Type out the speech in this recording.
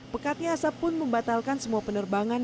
pekatnya asap pun membatalkan semua penerbangan